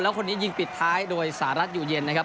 แล้วคนนี้ยิงปิดท้ายโดยสหรัฐอยู่เย็นนะครับ